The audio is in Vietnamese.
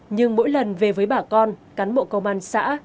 nhưng mỗi lần về với bà con cán bộ công an xã